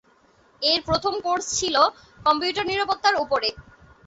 এর প্রথম কোর্স ছিল কম্পিউটার নিরাপত্তার ওপরে।